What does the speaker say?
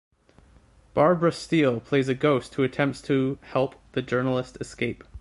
Barbara Steele plays a ghost who attempts to help the journalist escape.